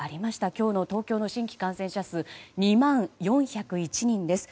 今日の東京の新規感染者数２万４０１人です。